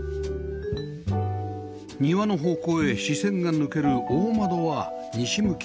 庭の方向へ視線が抜ける大窓は西向き